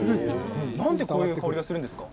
何でこういう香りがするんですか。